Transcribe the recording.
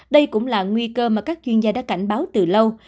đây cũng là nguy cơ mà các chuyên gia đã cảnh báo từ lâu